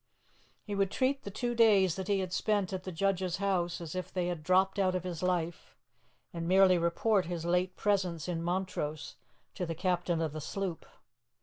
He would treat the two days that he had spent at the judge's house as if they had dropped out of his life, and merely report his late presence in Montrose to the captain of the sloop.